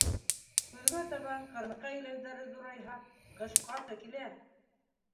Көҙгә табан ҡырмыҫҡа иләүҙәре ҙурайһа, ҡыш ҡаты килә.